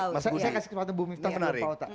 masa saya kasih kesempatan bu miftah menarik